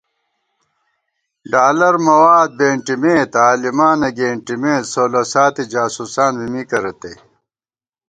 ڈالر مواد بېنٹی مېت، عالِمانہ گېنٹِمېت، سولہ ساتی جاسوسان بی مِکہ رتئ